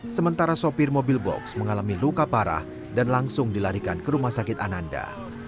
sementara sopir mobil box mengalami luka parah dan langsung dilarikan ke rumah sakit ananda